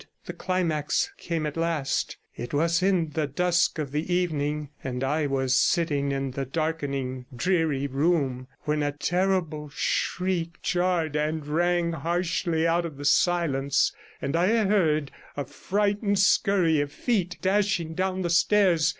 The climax came at last; it was in the dusk of the evening, and I was sitting in the darkening dreary room when a terrible shriek jarred and rang harshly out of the silence, and I heard a frightened scurry of feet dashing down the stairs.